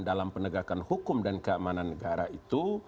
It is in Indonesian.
dalam penegakan hukum dan keamanan negara itu